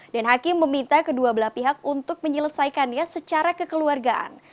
dan hakim meminta kedua belah pihak untuk menyelesaikannya secara kekeluargaan